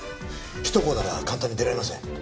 首都高なら簡単に出られません。